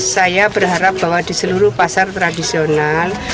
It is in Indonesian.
saya berharap bahwa di seluruh pasar tradisional